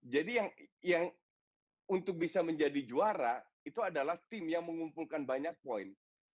jadi yang untuk bisa menjadi juara itu adalah tim yang mengumpulkan banyak poin